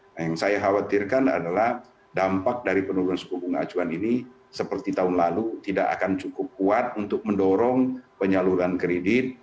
nah yang saya khawatirkan adalah dampak dari penurunan suku bunga acuan ini seperti tahun lalu tidak akan cukup kuat untuk mendorong penyaluran kredit